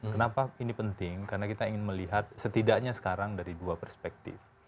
kenapa ini penting karena kita ingin melihat setidaknya sekarang dari dua perspektif